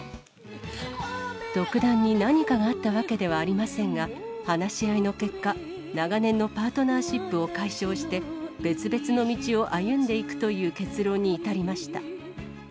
特段に何かがあったわけではありませんが、話し合いの結果、長年のパートナーシップを解消して、別々の道を歩んでいくという結論に至りました。